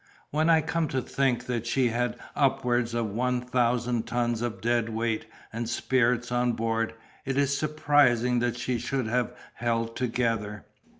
When I come to think that she had upwards of one thousand tons of dead weight and spirits on board, it is surprising that she should have held together.